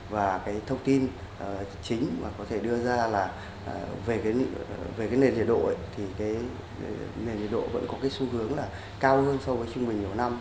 và cái thông tin chính mà có thể đưa ra là về cái nền nhiệt độ thì cái nền nhiệt độ vẫn có cái xu hướng là cao hơn so với trung bình nhiều năm